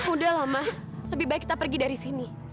udah lah mah lebih baik kita pergi dari sini